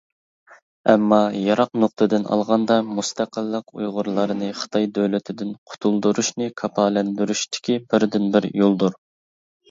ئەمما، يىراق نۇقتىدىن ئالغاندا، مۇستەقىللىق ئۇيغۇرلارنى خىتاي دۆلىتىدىن قۇتۇلدۇرۇشنى كاپالەتلەندۈرۈشتىكى بىردىنبىر يولدۇر.